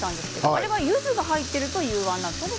あれはゆずが入って幽庵というんですよね。